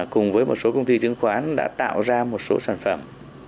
cùng với một số công ty chứng khoán đã tạo ra một số sản phẩm